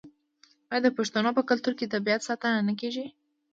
آیا د پښتنو په کلتور کې د طبیعت ساتنه نه کیږي؟